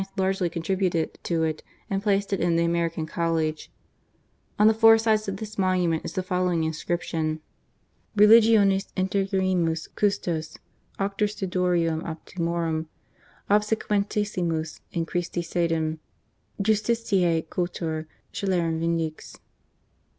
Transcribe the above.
largely contributed to it, and placed it in the American College. On the four sides of this monument is the following inscription : THE MOURNING. 313 RELIGIONIS INTEGERRIMUS GUSTOS, AUCTOR STUDIORUM OPTIMORUM, OBSEQUENTISSIMUS IN CHRISTI SEDEM JUSTITIiE CULTOR, SCELERUM VINDEX.